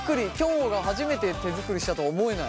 もが初めて手作りしたとは思えない。